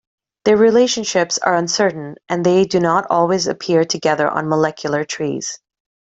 Their relationships are uncertain, and they do not always appear together on molecular trees.